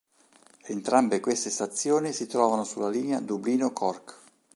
Entrambe queste stazioni si trovano sulla linea Dublino-Cork.